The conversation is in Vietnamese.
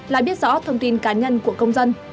là biết rõ thông tin cá nhân của công dân